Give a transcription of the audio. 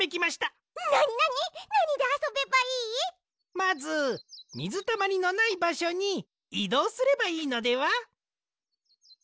まずみずたまりのないばしょにいどうすればいいのでは？